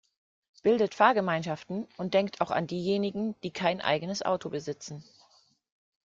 Bildet Fahrgemeinschaften und denkt auch an diejenigen, die kein eigenes Auto besitzen.